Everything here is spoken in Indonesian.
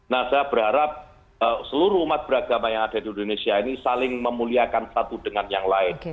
nah saya berharap seluruh umat beragama yang ada di indonesia ini saling memuliakan satu dengan yang lain